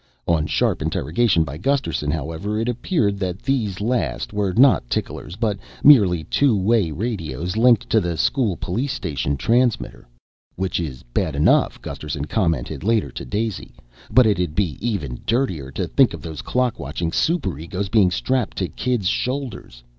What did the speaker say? On sharp interrogation by Gusterson, however, it appeared that these last were not ticklers but merely two way radios linked to the school police station transmitter. "Which is bad enough," Gusterson commented later to Daisy. "But it'd be even dirtier to think of those clock watching superegos being strapped to kids' shoulders.